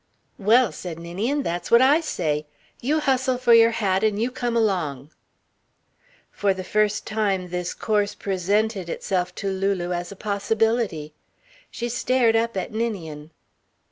"Well," said Ninian, "that's what I say. You hustle for your hat and you come along." For the first time this course presented itself to Lulu as a possibility. She stared up at Ninian.